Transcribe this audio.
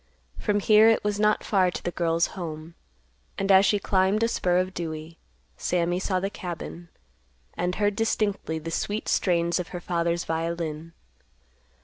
From here it was not far to the girl's home, and, as she climbed a spur of Dewey, Sammy saw the cabin, and heard distinctly the sweet strain's of her father's violin.